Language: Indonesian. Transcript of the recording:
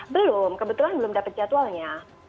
belum kebetulan belum dapat jadwalnya